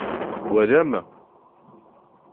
Twalam?